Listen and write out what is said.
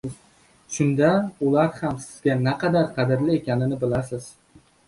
shunda ular ham sizga naqadar qadrli ekanini bilasiz.